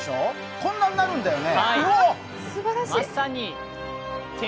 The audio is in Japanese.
こんなになるんだよね。